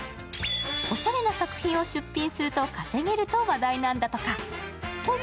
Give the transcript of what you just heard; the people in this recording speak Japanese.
おしゃれな作品を出品すると稼げると話題なんだとか。